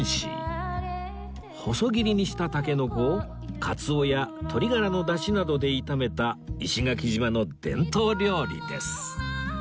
細切りにしたタケノコをカツオや鶏ガラのダシなどで炒めた石垣島の伝統料理です